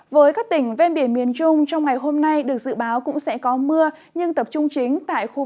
với các tỉnh ven biển miền trung trong ngày hôm nay được dự báo cũng sẽ có mưa